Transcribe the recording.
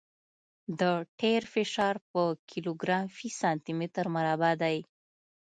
د ټیر فشار په کیلوګرام فی سانتي متر مربع دی